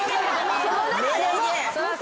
その中でも。